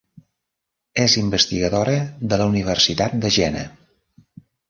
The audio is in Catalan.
És investigadora de la Universitat de Jena.